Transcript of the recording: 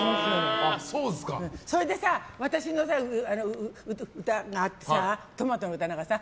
それで私の歌があってさトマトの歌とかさ。